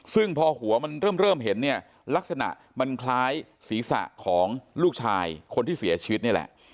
ซึ่งพอหัวมันเริ่มเห็นเนี่ยลักษณะมันคล้ายศีรษะของลูกชายคนที่เสียชีวิตนี่แหละ